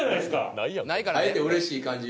会えてうれしい感じ？